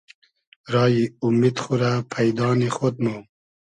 رایی اومید خو رۂ پݷدا نی خۉد مۉ